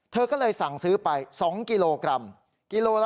เธอก็เลยสั่งซื้อไป๒กิโลกรัมกิโลละ